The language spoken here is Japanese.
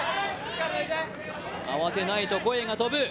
慌てないと声が飛ぶ。